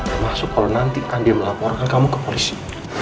termasuk kalau nanti andien melaporkan kamu ke polisi